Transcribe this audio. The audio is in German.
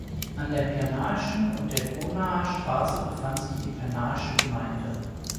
An der Pirnaischen und der Grunaer Straße befand sich die Pirnaische Gemeinde.